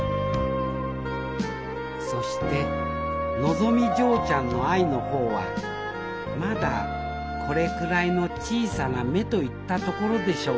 そしてのぞみ嬢ちゃんの愛の方はまだこれくらいの小さな芽といったところでしょうか。